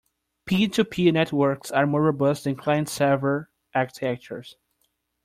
Peer-to-peer networks are more robust than client-server architectures.